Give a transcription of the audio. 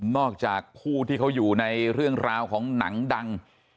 ผู้ที่เขาอยู่ในเรื่องราวของหนังดัง